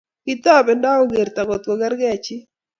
Kitobendo akokerto ngotkokerei chi